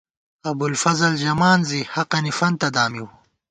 ابوالفضل ژمان زی حقَنی فنتہ دامِیؤ